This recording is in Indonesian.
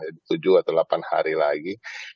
tujuh atau delapan hari lagi